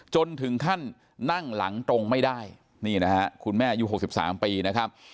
จนถึงขั้นนั่งหลังตรงไม่ได้นี่นะฮะคุณแม่อายุ๖๓ปีนะครับ